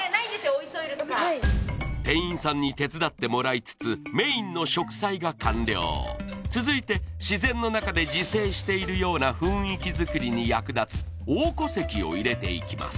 追いソイルとか店員さんに手伝ってもらいつつメインの植栽が完了続いて自然の中で自生しているような雰囲気作りに役立つ黄虎石を入れていきます